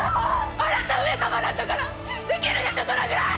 あなた上様なんだからできるでしょそのくらい。